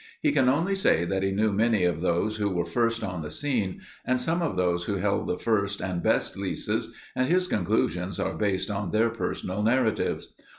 He can only say that he knew many of those who were first on the scene and some of those who held the first and best leases, and his conclusions are based on their personal narratives.